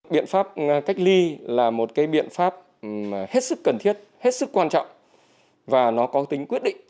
biện pháp cách ly là một biện pháp hết sức cần thiết hết sức quan trọng và nó có tính quyết định